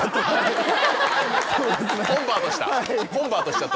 コンバートした？